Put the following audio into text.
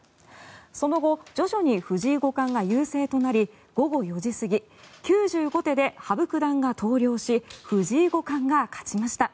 その後徐々に藤井五冠が優勢となり午後４時過ぎ９５手で羽生九段が投了し藤井五冠が勝ちました。